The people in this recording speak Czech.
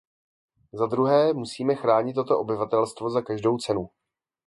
Za druhé, musíme chránit toto obyvatelstvo za každou cenu.